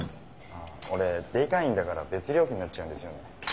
ああオレデイ会員だから別料金になっちゃうんですよね。